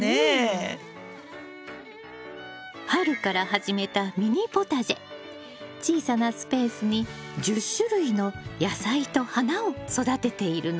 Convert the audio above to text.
春から始めた小さなスペースに１０種類の野菜と花を育てているの。